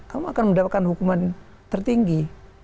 kamu akan mendapatkan hukuman tertinggi